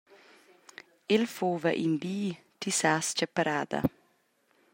El fuva in bi, ti sas tgei parada!